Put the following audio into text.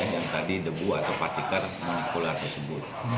yang tadi debu atau partikel menukul tersebut